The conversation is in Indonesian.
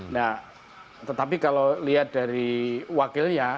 nah tetapi kalau lihat dari wakilnya